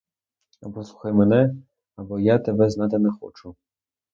Або слухай мене, або я тебе знати не хочу.